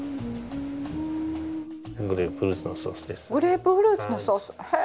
グレープフルーツのソースです。